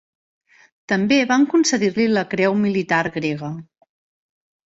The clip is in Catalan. També van concedir-li la Creu Militar Grega.